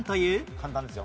簡単ですよ。